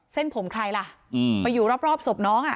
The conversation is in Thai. เส้นผมใครล่ะไปอยู่รอบศพน้องอ่ะ